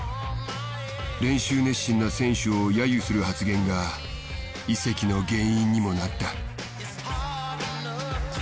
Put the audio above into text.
練習熱心な選手をやゆする発言が移籍の原因にもなった。